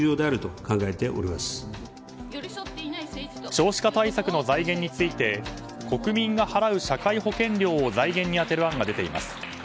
少子化対策の財源について国民が払う社会保険料を財源に充てる案が出ています。